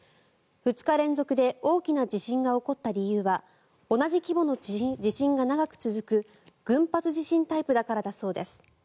２日連続で大きな地震が起こった理由は同じ規模の地震が長く続く群発地震タイプだからだそうです。